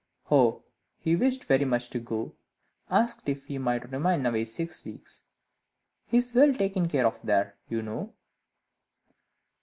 "Oh, he wished very much to go, and asked if he might remain away six weeks; he is well taken care of there, you know."